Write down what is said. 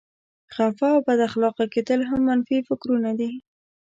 خفه او بد اخلاقه کېدل هم منفي فکرونه دي.